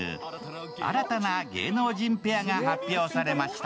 新たな芸能人ペアが発表されました。